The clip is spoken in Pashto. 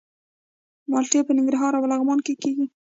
مالټې په ننګرهار او لغمان کې کیږي.